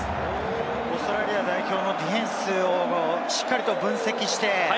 オーストラリア代表のディフェンスをしっかりと分析して。